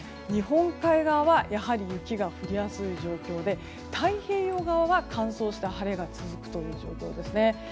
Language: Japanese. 日本海側はやはり雪が降りやすい状況で太平洋側は乾燥した晴れが続くという状況ですね。